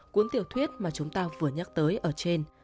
cuốn tiểu thuyết mà chúng ta vừa nhắc tới ở trên